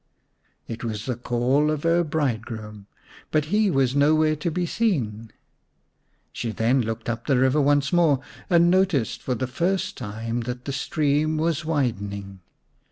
It was the call of her bridegroom, but he was nowhere to be seen. She then looked up the river once more and noticed for the first time that the stream was widening.